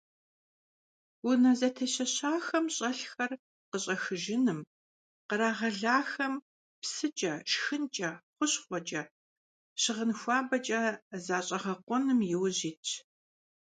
Унэ зэтещэхахэм щӀэлъхэр къыщӀэхыжыным, кърагъэлахэм псыкӀэ, шхынкӀэ, хущхъуэкӀэ, щыгъын хуабэкӀэ защӀэгъэкъуэным иужь итщ.